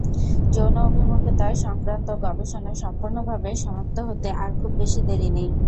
যৌন অভিমুখিতা সংক্রান্ত গবেষণা সম্পুর্ণভাবে সমাপ্ত হতে আর খুব বেশি দেরি নেই।